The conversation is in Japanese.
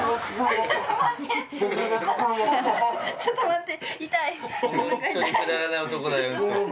ちょっと待って。